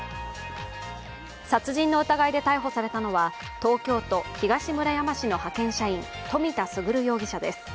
殺人の疑いで逮捕されたのは東京都東村山市の派遣社員冨田賢容疑者です。